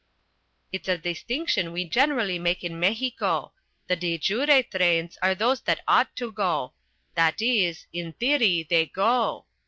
_" "It's a distinction we generally make in Mexico. The de jure trains are those that ought to go; that is, in theory, they go.